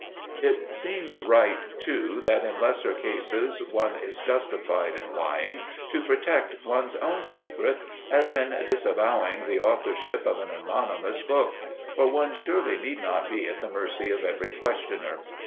It seems right, too, that in lesser cases one is justified in lying to protect one's own secret, as in disavowing the authorship of an anonymous book; for one surely need not be at the mercy of every questioner.